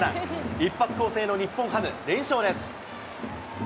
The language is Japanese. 一発攻勢の日本ハム、連勝です。